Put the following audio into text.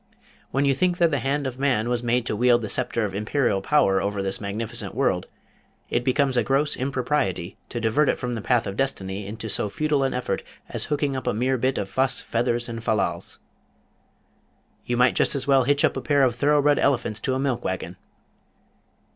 When you think that the hand of man was made to wield the sceptre of imperial power over this magnificent world, it becomes a gross impropriety to divert it from the path of destiny into so futile an effort as hooking up a mere bit of fuss, feathers and fallals. You might just as well hitch up a pair of thoroughbred elephants to a milk wagon.